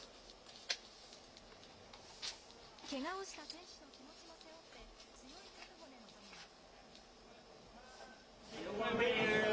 けがをした選手の気持ちも背負って、強い覚悟で臨みます。